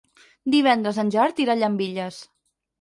Divendres en Gerard irà a Llambilles.